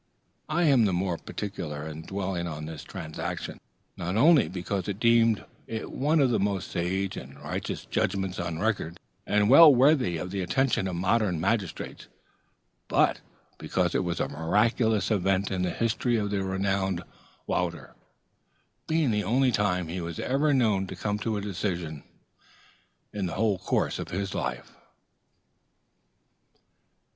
I am the more particular in dwelling on this transaction, not only because I deem it one of the most sage and righteous judgments on record, and well worthy the attention of modern magistrates, but because it was a miraculous event in the history of the renowned Wouter being the only time he was ever known to come to a decision in the whole course of his life.